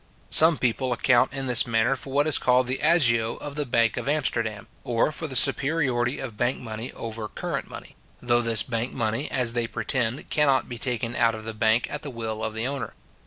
Some people account in this manner for what is called the agio of the bank of Amsterdam, or for the superiority of bank money over current money, though this bank money, as they pretend, cannot be taken out of the bank at the will of the owner.